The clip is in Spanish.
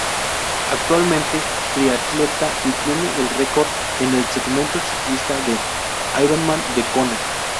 Actualmente triatleta y tiene el record en el segmento ciclista del ironman de kona.